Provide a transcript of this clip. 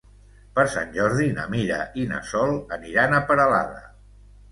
Per Sant Jordi na Mira i na Sol aniran a Peralada.